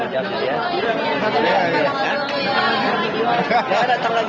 kalau terkait beliau yang ngurusin segitiga apa yang terjadi